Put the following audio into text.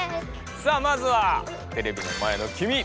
さあまずはテレビの前のきみ！